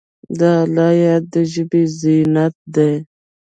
د الله یاد د ژبې زینت دی.